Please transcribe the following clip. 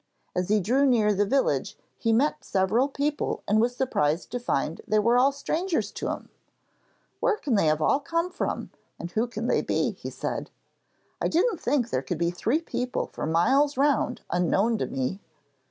As he drew near the village he met several people and was surprised to find they were all strangers to him. 'Where can they all have come from, and who can they be?' he said. 'I didn't think there could be three people for miles round unknown to me.